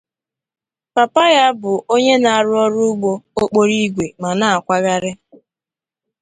Papa ya bụ onye na-arụ ọrụ ụgbọ okporo ígwè ma na-akwagharị.